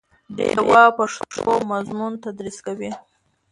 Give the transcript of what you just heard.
ډیوه پښتو مضمون تدریس کوي